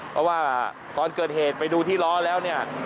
เพราะว่าก่อนเกิดเหตุไปดูที่ล้อแล้ว